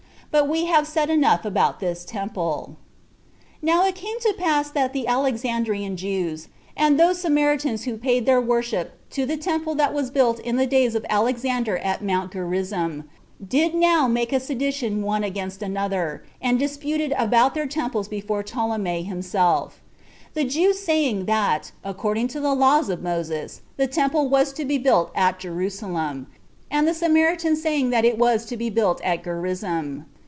But we have said enough about this temple. 4. Now it came to pass that the Alexandrian Jews, and those Samaritans who paid their worship to the temple that was built in the days of Alexander at Mount Gerizzim, did now make a sedition one against another, and disputed about their temples before Ptolemy himself; the Jews saying that, according to the laws of Moses, the temple was to be built at Jerusalem; and the Samaritans saying that it was to be built at Gerizzim.